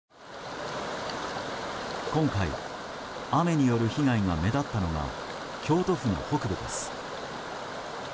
今回雨による被害が目立ったのが京都府の北部です。